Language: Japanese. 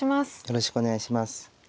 よろしくお願いします。